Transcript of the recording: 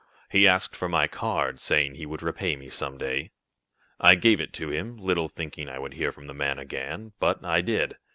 He asked for my card, saying he would repay me some day. I gave it to him, little thinking I would hear from the man again. But I did.